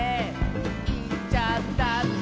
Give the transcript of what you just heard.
「いっちゃったんだ」